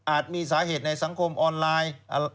มีสาเหตุในสังคมออนไลน์